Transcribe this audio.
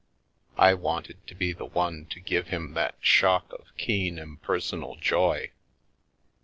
I wanted to be the one to give him that shock of keen impersonal joy.